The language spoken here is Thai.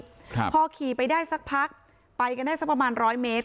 ครับพอขี่ไปได้สักพักไปกันได้สักประมาณร้อยเมตร